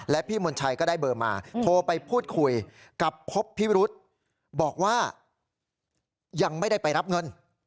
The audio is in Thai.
และพี่มนชัยก็ได้เบอร์มาโทรไปพูดคุยกับพบพิรุษบอกว่ายังไม่ได้ไปรับเงิน